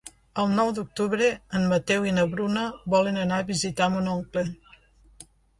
El nou d'octubre en Mateu i na Bruna volen anar a visitar mon oncle.